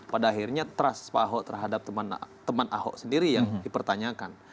pada akhirnya trust pak ahok terhadap teman ahok sendiri yang dipertanyakan